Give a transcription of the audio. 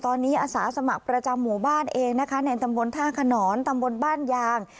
ตอนนี้อาสาสมัครประจำหมู่บ้านเองนะคะในตำบลท่าขนอนตำบลบ้านยาง